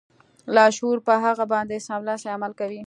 لاشعور په هغه باندې سملاسي عمل کوي